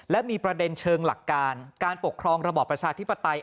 และมีประเด็นเชิงหลักการการปกครองระบอบประชาธิปไตย